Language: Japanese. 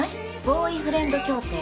ボーイフレンド協定！